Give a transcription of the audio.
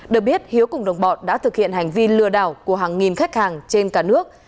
được biết hiếu cùng đồng bọn đã thực hiện hành vi lừa đảo của hàng nghìn khách hàng trên cả nước